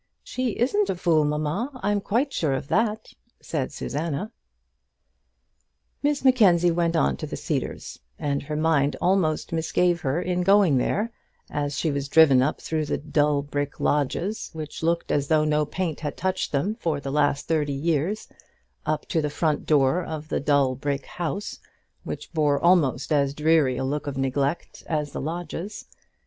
"She isn't a fool, mamma; I'm quite sure of that," said Susanna. Miss Mackenzie went on to the Cedars, and her mind almost misgave her in going there, as she was driven up through the dull brick lodges, which looked as though no paint had touched them for the last thirty years, up to the front door of the dull brick house, which bore almost as dreary a look of neglect as the lodges.